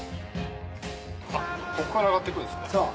ここから上がっていくんですね。